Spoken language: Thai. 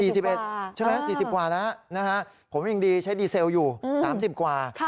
ใช่ไหม๔๐กว่าแล้วนะฮะผมยังดีใช้ดีเซลอยู่๓๐กว่า